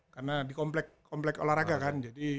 karena di komplek olahraga kan